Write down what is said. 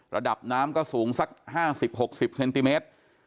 ระดับน้ำก็สูงสัก๕๐๖๐เซนติเมตร